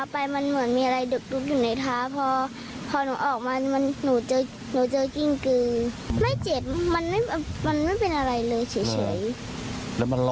ฟังคุณพ่อหน่อยละกันนะครับ